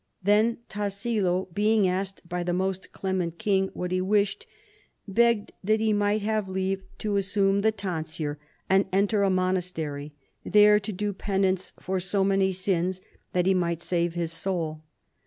Then Tassilo, being asked by the most clement king what he wished, begged that he might have leave to assume the ton> 182 CHARLEMAGNE. sure and enter a monastery, there to do penance for so many sins, that he might save his soul.